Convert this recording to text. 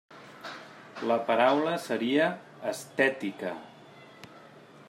La paraula seria «estètica».